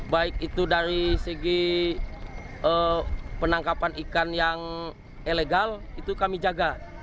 baik itu dari segi penangkapan ikan yang ilegal itu kami jaga